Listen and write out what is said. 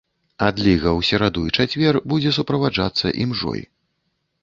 Адліга ў сераду і чацвер будзе суправаджацца імжой.